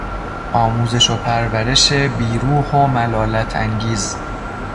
آموزش و پرورش بی روح و ملالت انگیز